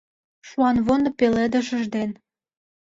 Шуанвондо пеледышыж ден